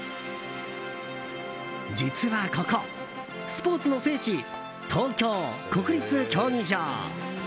実はここ、スポーツの聖地東京・国立競技場。